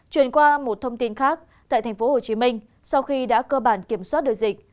chuyển qua một thông tin khác tại tp hcm sau khi đã cơ bản kiểm soát được dịch